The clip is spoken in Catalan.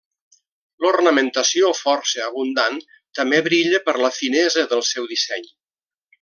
L'ornamentació, força abundant, també brilla per la finesa del seu disseny.